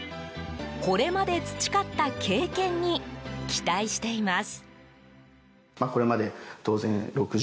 これまで培った経験に期待しています。